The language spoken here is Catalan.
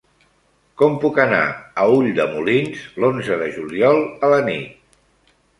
Com puc anar a Ulldemolins l'onze de juliol a la nit?